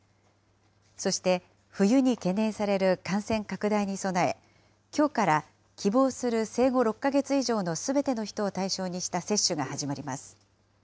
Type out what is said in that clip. そして、冬に懸念される感染拡大に備え、きょうから希望する生後６か月以上のすべての人を対象にした接種が始まります。